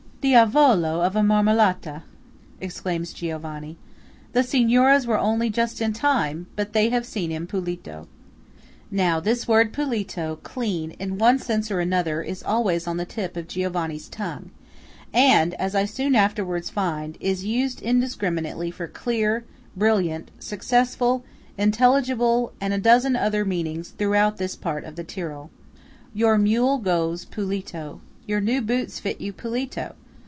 "Diavolo of a Marmolata!" exclaims Giovanni. "The Signoras were only just in time–but they have seen him pulito." Now this word "pulito" (clean) in one sense or another, is always on the tip of Giovanni's tongue; and, as I soon afterwards find, is used indiscriminately for clear, brilliant, successful, intelligible, and a dozen other meanings, throughout this part of the Tyrol. Your mule goes "pulito." Your new boots fit you "pulito."